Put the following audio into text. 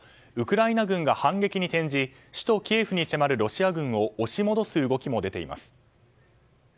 ウクライナ軍が反撃に転じ首都キエフに迫るロシア軍を押し戻す動きも出ています。